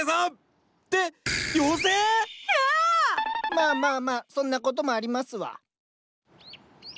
まあまあまあそんなこともありますわ。